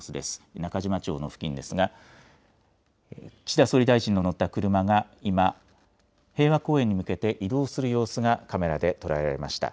なかじま町の付近ですが、岸田総理大臣の乗った車が今、平和公園に向けて移動する様子がカメラで捉えられました。